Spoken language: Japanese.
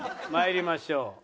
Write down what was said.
まいりましょう。